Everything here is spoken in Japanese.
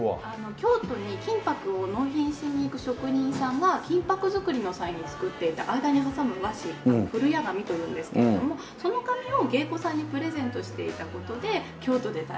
京都に金箔を納品しに行く職人さんが金箔作りの際に作っていた間に挟む和紙がふるや紙というんですけれどもその紙を芸妓さんにプレゼントしていた事で京都で大変。